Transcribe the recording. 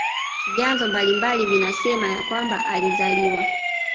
Vyanzo mbalimbali vinasema ya kwamba alizaliwa